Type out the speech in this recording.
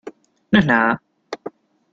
no es nada.